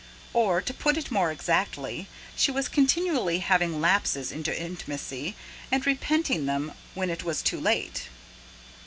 Or, to put it more exactly, she was continually having lapses into intimacy, and repenting them when it was too late.